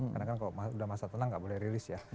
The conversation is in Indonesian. karena kan kalau udah masa tenang gak boleh rilis ya